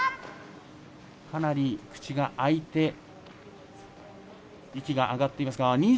かなり口が開いて息が上がっています。